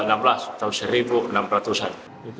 enam belas atau seribu enam ratus an